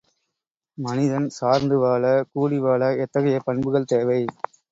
மனிதன் சார்ந்து வாழ, கூடி வாழ எத்தகைய பண்புகள் தேவை?